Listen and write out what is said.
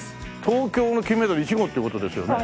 東京の金メダル１号って事ですよね。